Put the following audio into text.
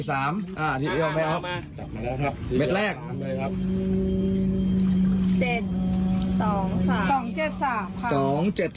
สามสี่แปด